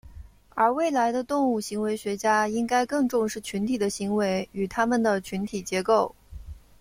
而未来的动物行为学家应该更重视群体的行为与它们的群体结构。